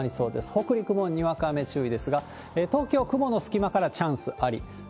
北陸もにわか雨注意ですが、東京、雲の隙間からチャンスあり。